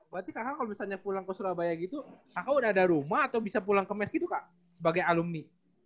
berarti kakak kalau misalnya pulang ke surabaya gitu aku udah ada rumah atau bisa pulang ke mes gitu kak sebagai alumni